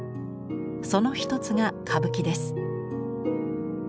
その一つが歌舞伎です。